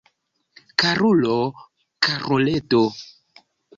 Karulo, karuleto!